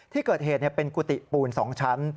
ที่เกิดเหตุเป็นกุฏิปูน๒ชั้น